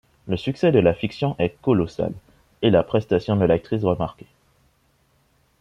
Le succès de la fiction est colossal et la prestation de l'actrice remarquée.